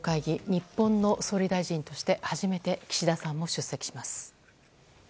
日本の総理大臣として初めて岸田さんも出席します。